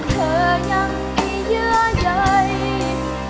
เธอยังมีเยอะใหญ่